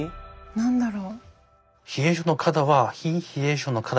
何だろう。